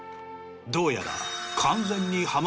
どうやら。